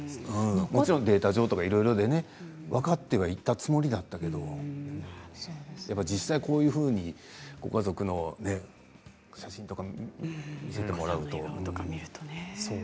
データ上で、いろいろ分かってはいたつもりだったけど実際こういうふうにご家族の写真とか見せてもらうとね。